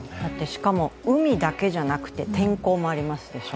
しかも海だけじゃなくて天候もありますでしょ